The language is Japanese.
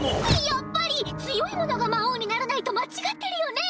やっぱり強い者が魔王にならないと間違ってるよね！